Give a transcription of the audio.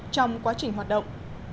trong quá trình hoạt động